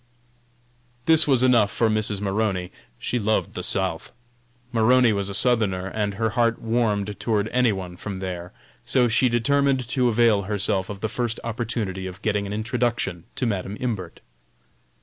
This was enough for Mrs. Maroney, she loved the South. Maroney was a Southerner, and her heart warmed toward any one from there, so she determined to avail herself of the first opportunity of getting an introduction to Madam Imbert.